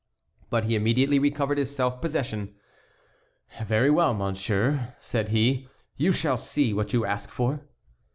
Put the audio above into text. But he immediately recovered his self possession. "Very well, monsieur," said he, "you shall see what you ask for."